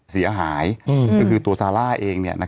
เสียหายคือคือตัวซาร่าเองเนี่ยนะครับ